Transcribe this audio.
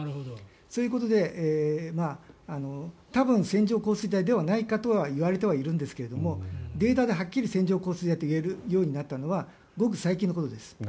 そういうことで多分、線状降水帯ではないかとは言われてはいるんですがデータではっきり線状降水帯といえるようになったのはごく最近のことです。